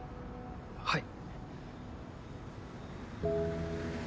はい。